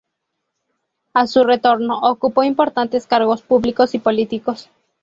A su retorno, ocupó importantes cargos públicos y políticos.